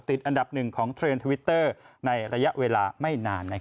ติดอันดับหนึ่งของเทรนด์ทวิตเตอร์ในระยะเวลาไม่นาน